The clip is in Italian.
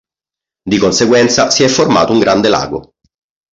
Di conseguenza, si è formato un grande lago.